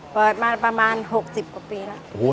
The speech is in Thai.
เปิดมาประมาณ๖๐กว่าปีแล้ว